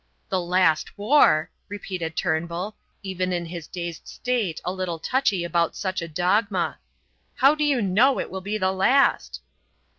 "The last war!" repeated Turnbull, even in his dazed state a little touchy about such a dogma; "how do you know it will be the last?"